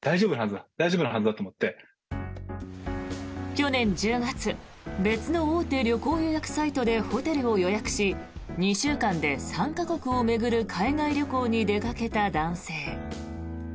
去年１０月別の大手旅行予約サイトでホテルを予約し２週間で３か国を巡る海外旅行に出かけた男性。